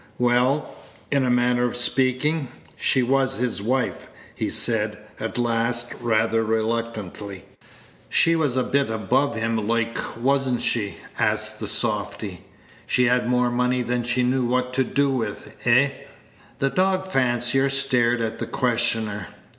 "Well, in a manner of speaking, she was his wife," he said at last, rather reluctantly. "She was a bit above him, loike, was n't she?" asked the softy. "She had more money than she knew what to do with, eh?" The dog fancier stared at the questioner.